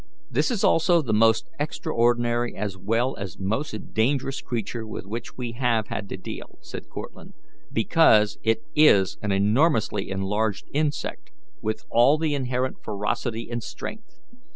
"This is also the most extraordinary as well as most dangerous creature with which we have, had to deal," said Cortlandt, "because it is an enormously enlarged insect, with all the inherent ferocity and strength.